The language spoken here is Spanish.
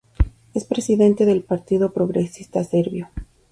Es presidente del Partido Progresista Serbio.